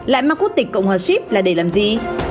lại mang quốc tịch cộng hòa ship là để làm gì